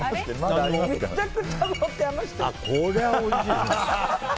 こりゃおいしい。